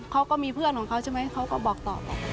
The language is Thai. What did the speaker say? เขาก็มีเพื่อนของเขาใช่ไหมเขาก็บอกต่อ